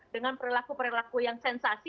dengan perilaku perilaku yang sensasi